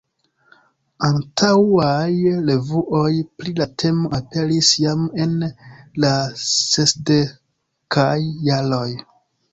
Antaŭaj revuoj pri la temo aperis jam en la sesdekaj jaroj.